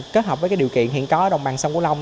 kết hợp với điều kiện hiện có ở đồng bằng sông củ long